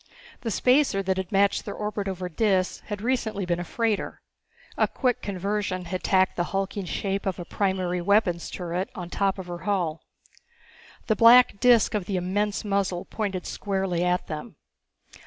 The spacer that had matched their orbit over Dis had recently been a freighter. A quick conversion had tacked the hulking shape of a primary weapons turret on top of her hull. The black disc of the immense muzzle pointed squarely at them.